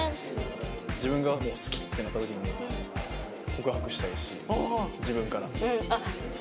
自分が「好き！」ってなった時に告白したいし自分から。